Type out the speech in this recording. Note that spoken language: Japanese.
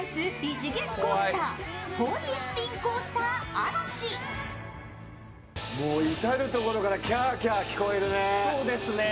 続いてはもう至るところからキャーキャー聞こえるね。